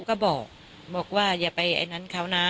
ก็บอกบอกว่าอย่าไปไอ้นั้นเขานะ